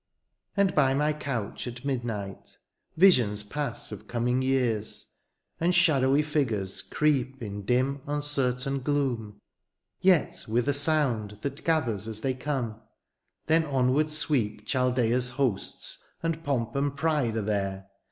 And by my couch, at midnight, visions pass Of coming years— ^nd shadowy figures creep In dim uncertain gloom, yet with a sound That gathers as they come ;— ^then onward sweep Chaldea's hosts, and pomp and pride are there.